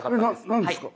何ですか？